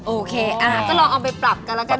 โอเคก็ลองเอาไปปรับกันแล้วกัน